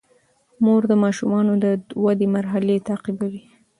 مور د ماشومانو د ودې مرحلې تعقیبوي.